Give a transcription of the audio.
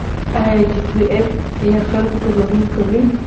آیا ډبلیو ایف پی خلکو ته ډوډۍ ورکوي؟